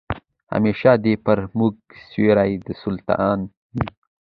همېشه دي پر موږ سیوری د سلطان وي